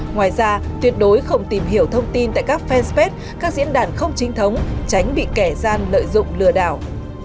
ngoài ra tuyệt đối không tìm hiểu thông tin tại các fanpage các diễn đàn không chính thống tránh bị kẻ gian lợi dụng lừa đảo